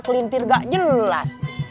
kelintir gak jelas